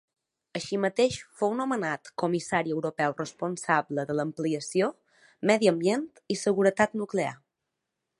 Així mateix fou nomenat Comissari Europeu responsable de l'Ampliació, Medi Ambient i Seguretat Nuclear.